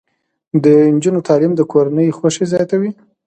د نجونو تعلیم د کورنۍ خوښۍ زیاتوي.